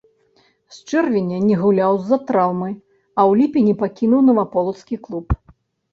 З чэрвеня не гуляў з-за траўмы, а ў ліпені пакінуў наваполацкі клуб.